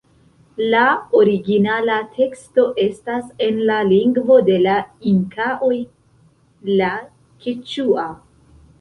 La originala teksto estas en la lingvo de la Inkaoj la keĉua.